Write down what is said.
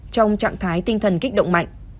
trong trạng thái tinh thần kích động mạnh